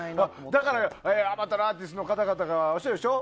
だから、あまたのアーティストの方がおっしゃってるでしょ。